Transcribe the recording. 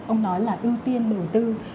ông nói là ưu tiên đầu tư